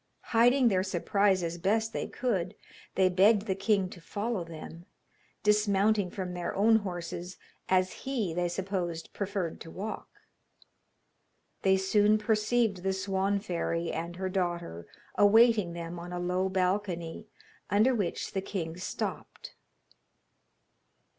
Hiding their surprise as best they could, they begged the king to follow them, dismounting from their own horses, as he, they supposed, preferred to walk. They soon perceived the Swan fairy and her daughter awaiting them on a low balcony, under which the king stopped.